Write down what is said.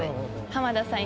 浜田さん